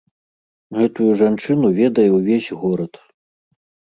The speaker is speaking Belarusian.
Гэтую жанчыну ведае ўвесь горад.